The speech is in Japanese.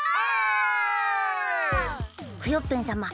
クヨッペンさま